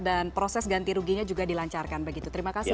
dan proses ganti ruginya juga dilancarkan begitu terima kasih